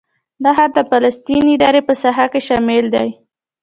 دا ښار د فلسطیني ادارې په ساحه کې شامل دی.